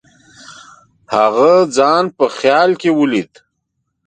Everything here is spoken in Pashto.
هغه ځان په خیال کې ولید.